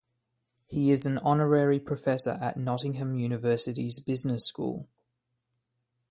He is an honorary professor at Nottingham University's Business School.